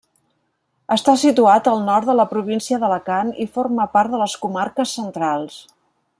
Està situat al nord de la província d'Alacant i forma part de les Comarques Centrals.